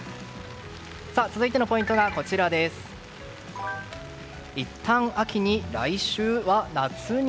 続いてのポイントがいったん秋に来週は夏に。